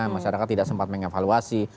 masyarakat tidak sempat mengevaluasi